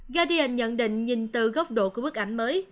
gadian nhận định nhìn từ góc độ của bức ảnh mới